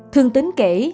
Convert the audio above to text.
thương tính kể